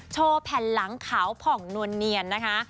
โชว์แผ่นหลังขาวผ่องนวลเนียนนะคะ